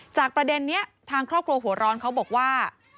ประเด็นนี้ทางครอบครัวหัวร้อนเขาบอกว่า